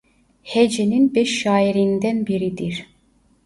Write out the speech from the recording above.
Hecenin Beş Şairi'nden biridir.